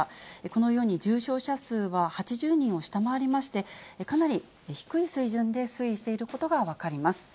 このように、重症者数は８０人を下回りまして、かなり低い水準で推移していることが分かります。